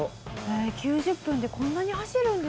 ９０分でこんなに走るんですね。